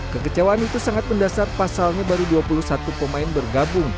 kekecewaan itu sangat mendasar pasalnya baru dua puluh satu pemain bergabung